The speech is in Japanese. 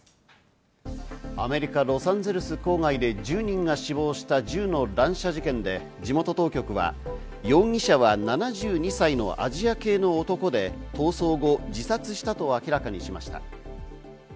アメリカ・ロサンゼルス郊外で１０人が死亡した銃の乱射事件で、地元当局は容疑者は７２歳のアジア系の男で、逃走後、自殺したと明らかにしました。